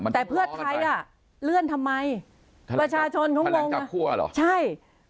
แต่เพื่อไทยเลื่อนทำไมประชาชนของวงใช่